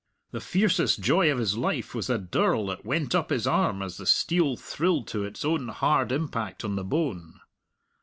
The fiercest joy of his life was the dirl that went up his arm as the steel thrilled to its own hard impact on the bone.